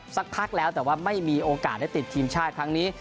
สักพักแล้วแต่ว่าไม่มีโอกาสได้ติดทีมชาติครั้งนี้